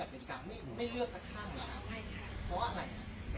เป็นการค่ะ